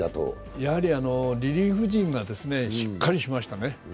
やはりリリーフ陣がしっかりしましたね。